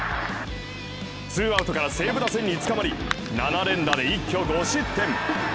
ツーアウトから西武打線につかまり７連打で一挙５失点。